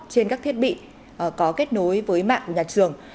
trên các thiết bị có kết nối với mạng nhà trường